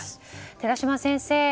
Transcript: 寺嶋先生。